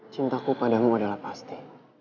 cintaku padamu adalah pasti